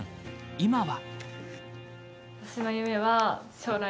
今は。